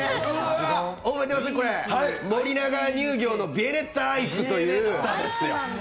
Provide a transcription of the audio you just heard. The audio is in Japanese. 森永乳業のビエネッタアイスという。